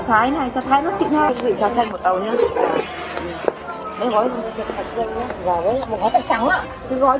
cái này bao nhiêu lít được